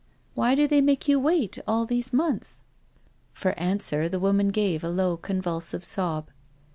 Why do they make you wait all these months? For answer the woman gave a low convulsive sob.